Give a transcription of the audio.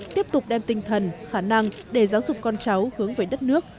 tiếp tục đem tinh thần khả năng để giáo dục con cháu hướng về đất nước